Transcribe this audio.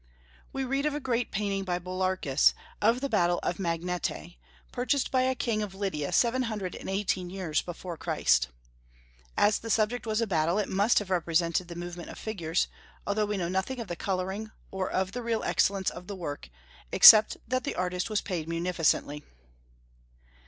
We read of a great painting by Bularchus, of the battle of Magnete, purchased by a king of Lydia seven hundred and eighteen years before Christ. As the subject was a battle, it must have represented the movement of figures, although we know nothing of the coloring or of the real excellence of the work, except that the artist was paid munificently.